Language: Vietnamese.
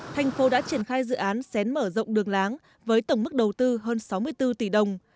thành phố đã triển khai dự án xén mở rộng đường láng với tổng mức đầu tư hơn sáu mươi bốn tỷ đồng